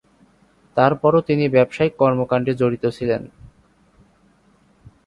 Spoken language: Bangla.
তারপরও তিনি ব্যবসায়িক কর্মকাণ্ডে জড়িত ছিলেন।